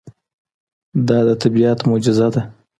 دا د طبیعت معجزه ده.